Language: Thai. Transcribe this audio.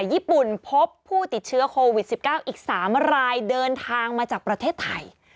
ญี่ปุ่นพบผู้ติดเชื้อโควิด๑๙อีก๓รายเดินทางมาจากประเทศไทย